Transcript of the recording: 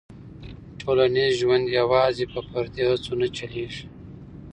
ټولنیز ژوند یوازې په فردي هڅو نه چلېږي.